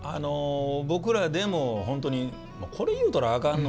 僕らでもほんとに「これ言うたらあかんの？」